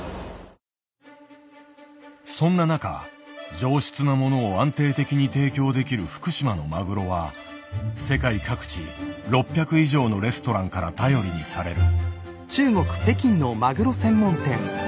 そんな中上質なものを安定的に提供できる福島のマグロは世界各地６００以上のレストランから頼りにされる。